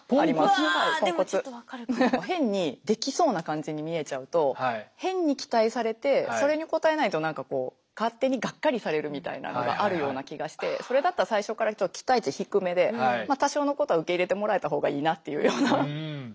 変にできそうな感じに見えちゃうと変に期待されてそれに応えないと何か勝手にがっかりされるみたいなのがあるような気がしてそれだったら最初から期待値低めで多少のことは受け入れてもらえた方がいいなっていうような。